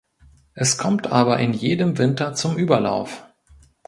Es kommt aber in jedem Winter zum Überlauf.